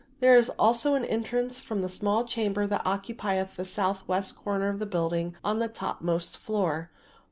There is also an entrance from the small Chamber that occupieth the southwest corner of the building on the topmost floor."